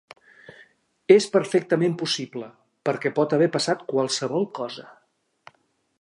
És perfectament possible, perquè pot haver passat qualsevol cosa.